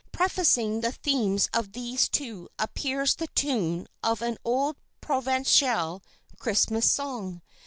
Prefacing the themes of these two appears the tune of an old Provençal Christmas song.